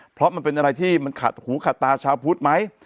เพราะมันเป็นอะไรที่มันขัดหูขัดตาชาวพุทธไหม